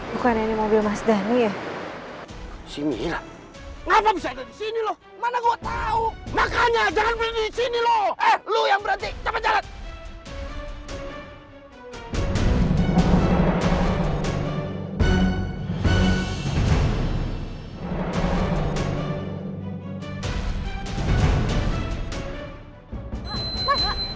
bukan ini mobil mas dhani ya sini ngapain sini loh mana gua tahu makanya jangan berhenti sini